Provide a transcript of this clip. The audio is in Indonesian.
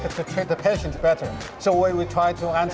kami berusaha untuk memahami penyakit untuk memahami teknologi